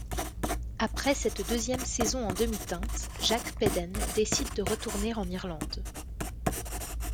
Après cette deuxième saison en demi-teinte, Jack Peden décide de retourner en Irlande.